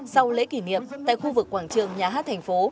sau lễ kỷ niệm tại khu vực quảng trường nhà hát thành phố